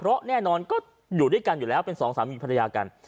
เพราะแน่นอนก็อยู่ด้วยกันอยู่แล้วเป็นสองสามีภรรยากัน